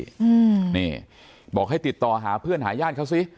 อืมนี่บอกให้ติดต่อหาเพื่อนหาญาติเขาสิ